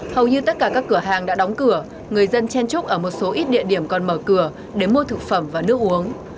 hầu như tất cả các cửa hàng đã đóng cửa người dân chen trúc ở một số ít địa điểm còn mở cửa để mua thực phẩm và nước uống